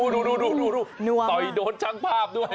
ดูต่อยโดนช่างภาพด้วย